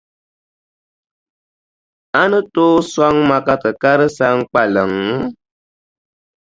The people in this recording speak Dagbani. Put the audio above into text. A ni tooi sɔŋ ma ka ti kari Saŋkpaliŋ?